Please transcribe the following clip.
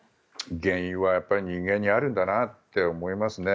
原因は人間にあるんだなって思いますね。